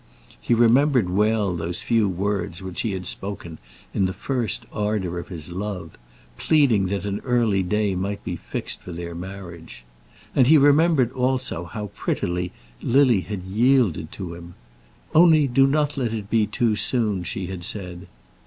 He remembered well those few words which he had spoken in the first ardour of his love, pleading that an early day might be fixed for their marriage. And he remembered, also, how prettily Lily had yielded to him. "Only do not let it be too soon," she had said.